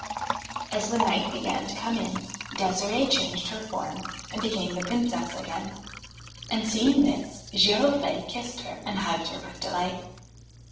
As the night began to come in, Ddsirde changed her form and became the Princess again ; and, seeing this, Giroflee kissed her and hugged her with delight.